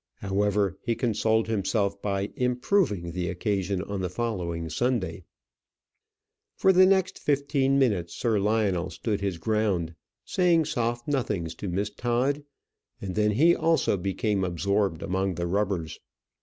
However, he consoled himself by "improving" the occasion on the following Sunday. For the next fifteen minutes Sir Lionel stood his ground, saying soft nothings to Miss Todd, and then he also became absorbed among the rubbers.